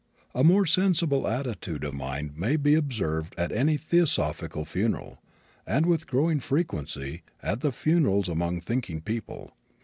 A more sensible attitude of mind may be observed at any theosophical funeral and, with growing frequency, at the funerals among thinking people.